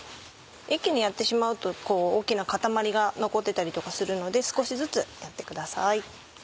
一気にやってしまうと大きな塊が残ってたりとかするので少しずつやってください。